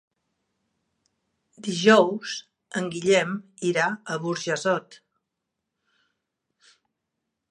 Dijous en Guillem irà a Burjassot.